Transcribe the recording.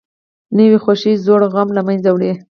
نوې خوښي زوړ غم له منځه وړي